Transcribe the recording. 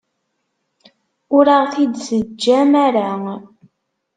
Ur aɣ-t-id-teǧǧam ara.